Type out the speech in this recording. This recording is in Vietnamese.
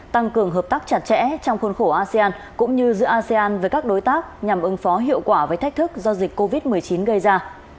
tăng cường hợp tác chặt chẽ trong khuôn khổ asean cũng như giữa asean với các đối tác nhằm ứng phó hiệu quả với thách thức do dịch covid một mươi chín gây ra